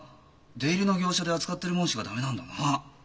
出入りの業者で扱っているものしか駄目なんだな。